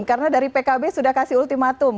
karena dari pkb sudah kasih ultimatum